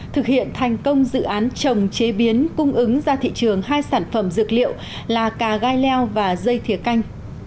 thực hiện thành công dự án trồng chế biến cung ứng ra thị trường hai sản phẩm dược liệu là cà gai leo và dây thiều canh